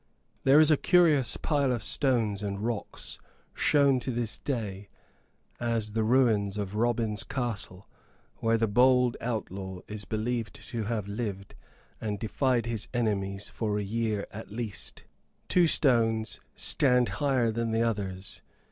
There is a curious pile of stones and rocks shown to this day as the ruins of Robin's Castle, where the bold outlaw is believed to have lived and defied his enemies for a year at least. Two stones stand higher than the others.